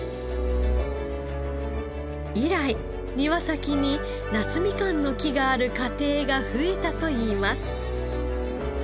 以来庭先に夏みかんの木がある家庭が増えたといいます。